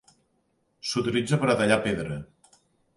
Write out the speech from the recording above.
S’utilitza per a tallar pedra.